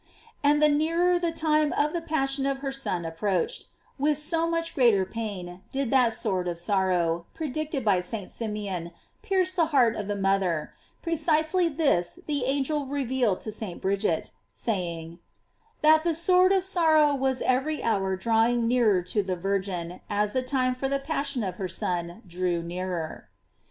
And the nearer the time of the passion of her Son approached, with so much greater pain did that sword of sorrow, predict ed by St. Simeon, pierce the heart of the moth er; precisely this the angel revealed to St. ^Brid get, saying: "That sword of sorrow was every hour drawing nearer to the Virgin as the time for the passion of her Son drew nearer.